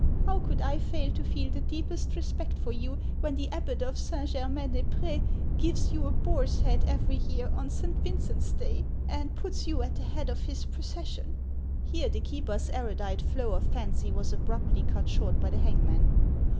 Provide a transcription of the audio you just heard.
How could I fail to feel the deepest respect for you when the abbot of Saint Germain des Pie's gives you a boar's head every year, on Saint Vincent's Day, and puts you at the head of his procession !" Here the keeper's erudite flow of fancy was abruptly cut short by the hangman.